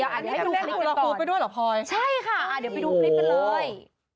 ใช่ค่ะเดี๋ยวไปดูคลิปกันเลย